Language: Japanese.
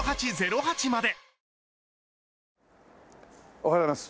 おはようございます。